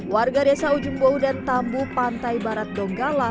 warga desa ujung bau dan tambu pantai barat donggala